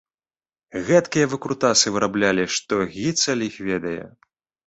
Гэткія выкрутасы выраблялі, што гіцаль іх ведае!